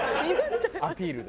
アピールで。